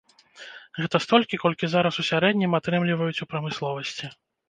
Гэта столькі, колькі зараз у сярэднім атрымліваюць у прамысловасці.